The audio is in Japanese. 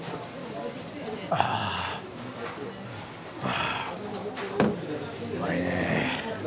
あうまいね。